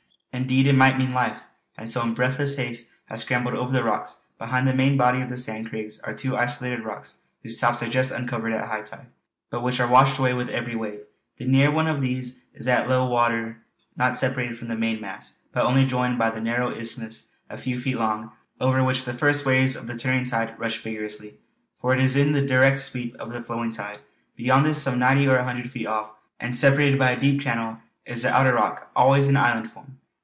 Indeed it might mean life; and so in breathless haste I scrambled over the rocks. Behind the main body of the Sand Craigs are two isolated rocks whose tops are just uncovered at high tide, but which are washed with every wave. The near one of these is at low water not separated from the main mass, but only joined by a narrow isthmus a few feet long, over which the first waves of the turning tide rush vigourously, for it is in the direct sweep of the flowing tide. Beyond this, some ninety or a hundred feet off and separated by a deep channel, is the outer rock, always in island form.